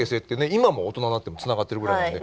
今も大人になってもつながってるぐらいなんで。